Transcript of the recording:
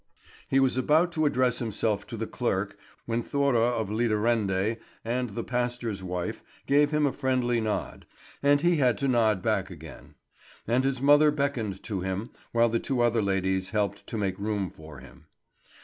He was about to address himself to the clerk, when Thora of Lidarende and the pastor's wife gave him a friendly nod, and he had to nod back again; and his mother beckoned to him, while the two other ladies helped to make room for him.